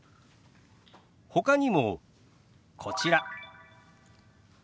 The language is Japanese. ほかにもこちら。